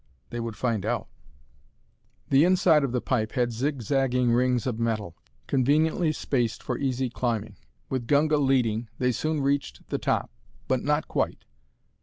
They would find out. The inside of the pipe had zigzagging rings of metal, conveniently spaced for easy climbing. With Gunga leading, they soon reached the top. But not quite.